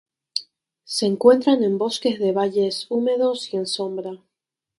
Se encuentran en bosques de valles húmedos, y en sombra.